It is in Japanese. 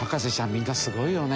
みんなすごいよね。